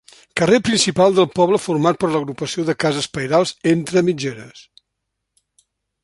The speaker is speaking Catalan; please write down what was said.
Carrer principal del poble format per l'agrupació de cases pairals entre mitgeres.